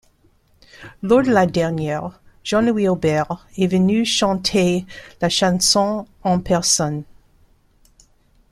Lors de la dernière, Jean-Louis Aubert est venu chanter la chanson en personne.